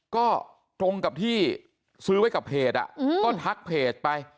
ก็ตรงกับที่ซื้อไว้กับเพจก็ทักเพจไป